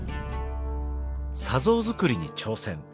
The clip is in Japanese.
砂像作りに挑戦。